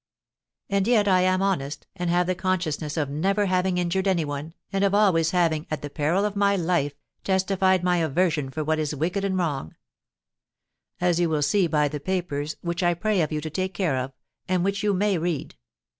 And yet I am honest, and have the consciousness of never having injured any one, and of always having, at the peril of my life, testified my aversion for what is wicked and wrong; as you will see by the papers, which I pray of you to take care of, and which you may read.